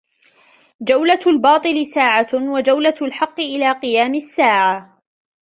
جولة الباطل ساعة وجولة الحق إلى قيام الساعة